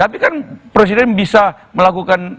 tapi kan presiden bisa melakukan